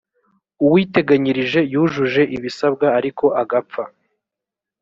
uwiteganyirije yujuje ibisabwa ariko agapfa